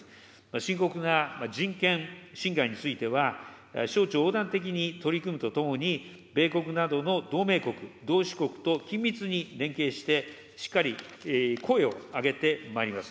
深刻な人権侵害については、省庁横断的に取り組むとともに、米国などの同盟国、同志国と緊密に連携して、しっかり声を上げてまいります。